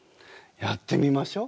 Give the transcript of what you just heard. やってみましょ。